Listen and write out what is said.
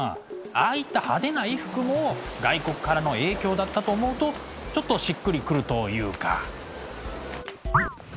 ああいった派手な衣服も外国からの影響だったと思うとちょっとしっくり来るというか。